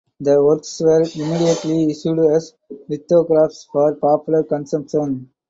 The works were immediately issued as lithographs for popular consumption.